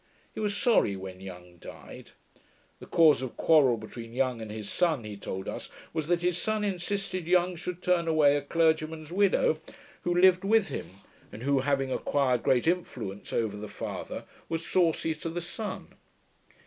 He was sorry when Young died. The cause of quarrel between Young and his son, he told us, was, that his son insisted Young should turn away a clergyman's widow, who lived with him, and who, having acquired great influence over the father, was saucy to the son.